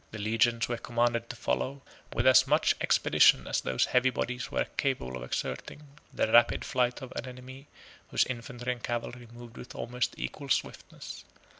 The legions were commanded to follow, with as much expedition as those heavy bodies were capable of exerting, the rapid flight of an enemy whose infantry and cavalry moved with almost equal swiftness.